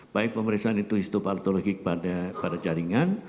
baik pemeriksaan itu histopatologi pada jaringan